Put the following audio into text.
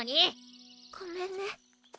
ごめんね。